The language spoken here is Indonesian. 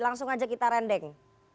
langsung aja kita rendeng